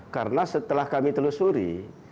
karena setelah kami telusuri